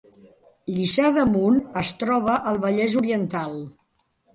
Lliça d’Amunt es troba al Vallès Oriental